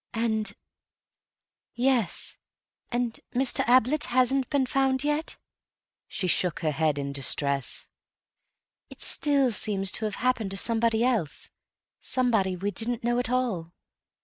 "Yes.... And Mr. Ablett hasn't been found yet?" She shook her head in distress. "It still seems to have happened to somebody else; somebody we didn't know at all."